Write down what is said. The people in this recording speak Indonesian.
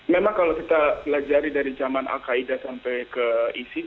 memang kalau kita pelajari dari zaman al qaeda sampai ke isi